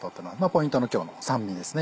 ポイントの今日の酸味ですね